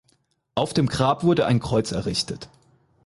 Auf dem Grab wurde ein Kreuz errichtet.